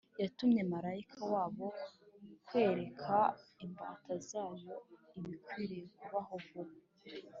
yatumye marayika wayo kwereka imbata zayo ibikwiriye kubaho vuba.